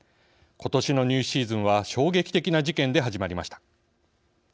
ことしの入試シーズンは衝撃的な事件で始まりました。